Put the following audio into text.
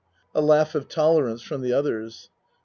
(A laugh of tolerance from the others.)